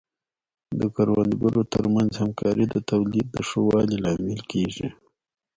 د کروندګرو ترمنځ همکاري د تولید د ښه والي لامل کیږي.